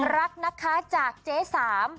รักนะคะจากเจ๊สาม